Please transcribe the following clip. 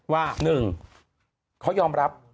ว่า๑เขายอมรับ